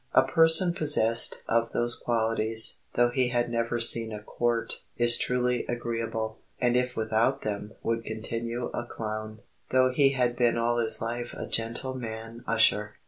A person possessed of those qualities, though he had never seen a court, is truly agreeable; and if without them would continue a clown, though he had been all his life a gentleman usher.